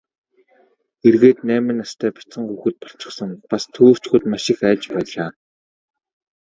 Эргээд найман настай бяцхан хүүхэд болчихсон, бас төөрчхөөд маш их айж байлаа.